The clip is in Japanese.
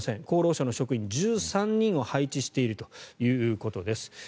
厚労省の職員１３人を配置しているということです。